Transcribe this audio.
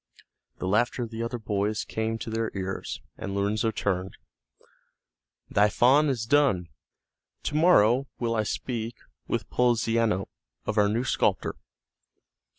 The laughter of the other boys came to their ears, and Lorenzo turned. "Thy faun is done; to morrow will I speak with Poliziano of our new sculptor.